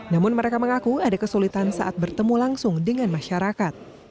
namun mereka mengaku ada kesulitan saat bertemu langsung dengan masyarakat